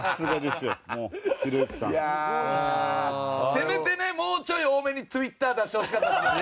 せめてねもうちょい多めにトゥイッター出してほしかったですよね。